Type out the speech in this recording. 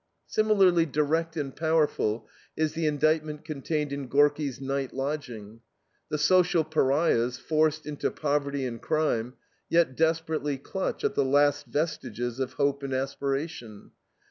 Similarly direct and powerful is the indictment contained in Gorki's NIGHT LODGING. The social pariahs, forced into poverty and crime, yet desperately clutch at the last vestiges of hope and aspiration.